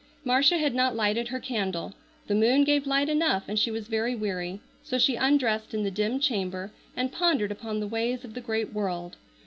Marcia had not lighted her candle. The moon gave light enough and she was very weary, so she undressed in the dim chamber and pondered upon the ways of the great world.